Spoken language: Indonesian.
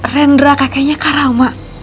rendra kakaknya karama